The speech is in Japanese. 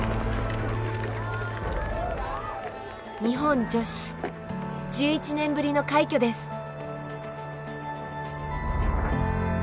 日本女子１１年ぶりの快挙です。